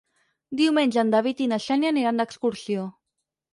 Diumenge en David i na Xènia aniran d'excursió.